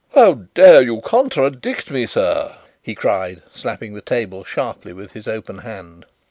"How dare you contradict me, sir!" he cried, slapping the table sharply with his open hand.